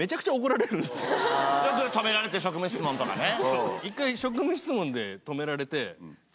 よく止められて職務質問とかね。